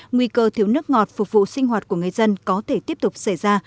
nguy cơ thiếu nước ngọt phục vụ sinh hoạt của người dân có thể tiếp tục xảy ra